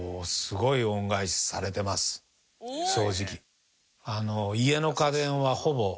正直。